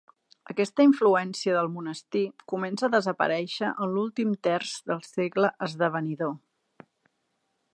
Aquesta influència del monestir, comença a desaparèixer en l'últim terç del segle esdevenidor.